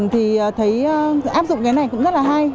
thì thấy áp dụng cái này cũng rất là hay